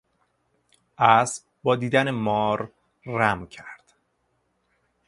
اسب با دیدن مار رم کرد.